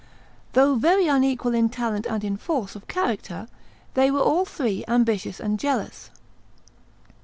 Though very unequal in talent and in force of character, they were all three ambitious and jealous.